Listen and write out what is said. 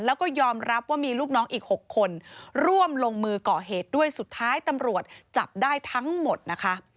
แล้วก็ยอมรับว่ามีลูกน้องอีก๖คนร่วมลงมือก่อเหตุด้วยสุดท้ายตำรวจจับได้ทั้งหมดนะคะ